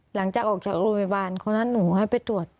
หลังจากออกจากโรงพยาบาลคนนั้นหนูให้ไปตรวจ